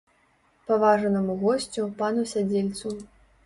Паважанаму госцю, пану сядзельцу.